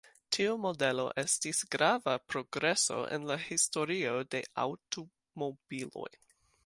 Tiu modelo estis grava progreso en la historio de aŭtomobiloj.